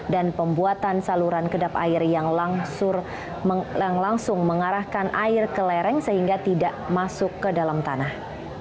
dan pembuatan saluran kedap air yang langsung mengarahkan air ke lereng sehingga tidak masuk ke dalam tanah